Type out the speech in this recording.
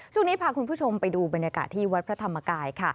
ช่วงนี้พาคุณผู้ชมไปดูบรรยากาศที่วัดพระธรรมกายค่ะ